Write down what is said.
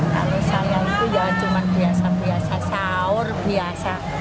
kalau saya itu ya cuma biasa biasa sahur biasa